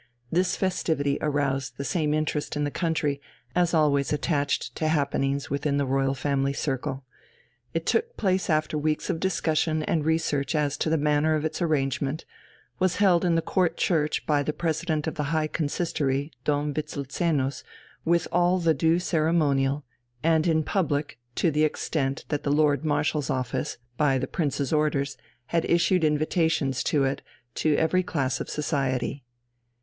This festivity aroused the same interest in the country as always attached to happenings within the Royal Family circle. It took place after weeks of discussion and research as to the manner of its arrangement, was held in the Court Church by the President of the High Consistory, Dom Wislezenus, with all the due ceremonial, and in public, to the extent that the Lord Marshal's office, by the Prince's orders, had issued invitations to it to every class of society.